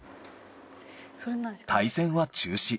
対戦は中止。